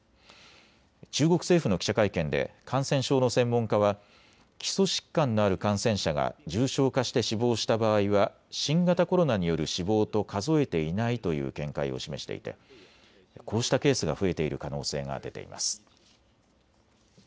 中国政府の記者会見で感染症の専門家は基礎疾患のある感染者が重症化して死亡した場合は新型コロナによる死亡と数えていないという見解を示していてこうしたケースが増えている可能性が出ています。